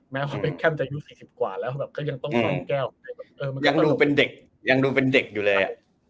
แม้ว่าเป็นแคมจะอายุ๔๐กว่าแล้วแบบก็ยังต้องท่องแก้วยังดูเป็นเด็กยังดูเป็นเด็กอยู่เลยอ่ะ